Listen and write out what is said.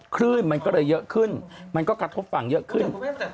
คลื่นมันก็เลยเยอะขึ้นมันก็กระทบฝั่งเยอะขึ้น